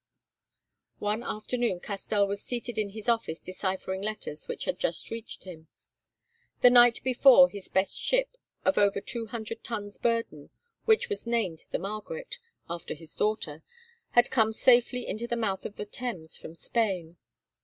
One afternoon Castell was seated in his office deciphering letters which had just reached him. The night before his best ship, of over two hundred tons burden, which was named the Margaret, after his daughter, had come safely into the mouth of the Thames from Spain.